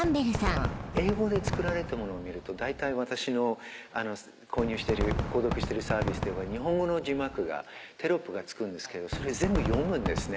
英語で作られたものを見ると大体私の購入してる購読してるサービスでは日本語の字幕がテロップがつくんですけどそれ全部読むんですね。